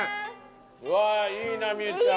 うわあいいな望結ちゃん。